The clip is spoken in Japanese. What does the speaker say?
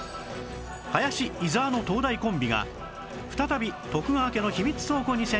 林伊沢の東大コンビが再び徳川家の秘密倉庫に潜入